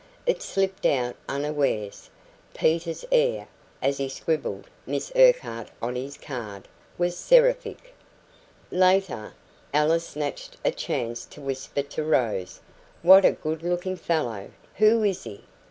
It slipped out unawares. Peter's air, as he scribbled "Miss Urquhart" on his card, was seraphic. Later, Alice snatched a chance to whisper to Rose: "What a good looking fellow! Who is he?"